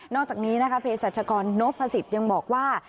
นอกจากนี้เพศรัชกรโน๊ตพระศิษย์ยังบอกว่า